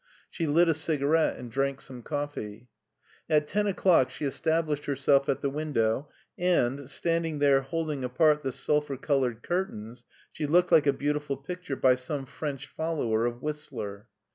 She lit a cigarette and drank some coffee. At ten o'clock she established herself at the window, and, standing there holding apart the sulphur colored curtains, she looked like a beautiful picture by some French follower of Whistler.